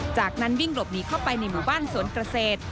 จากนั้นวิ่งหลบหนีเข้าไปในหมู่บ้านสวนเกษตร